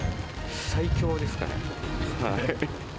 最強ですかね。